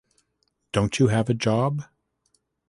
Don’t you have a job?